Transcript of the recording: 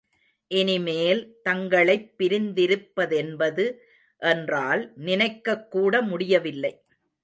இனிமேல், தங்களைப் பிரிந்திருப்பதென்பது என்றால் நினைக்கக் கூட முடியவில்லை.